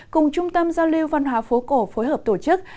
cùng trung tâm giao lưu văn hóa phố cổ phối hợp tổ chức